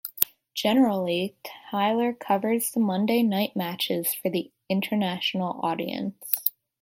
Generally Tyler covers the Monday night matches for the international audience.